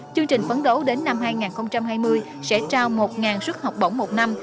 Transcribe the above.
chương trình phấn đấu đến năm hai nghìn hai mươi sẽ trao một suất học bổng một năm